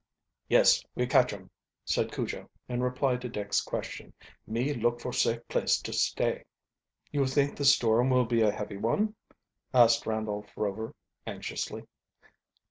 "Yes, we catch um," said Cujo, in reply to Dick's question. "Me look for safe place too stay." "You think the storm will be a heavy one?" asked Randolph Rover anxiously.